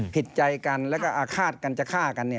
ผิดใจกันแล้วก็อาฆาตกันจะฆ่ากัน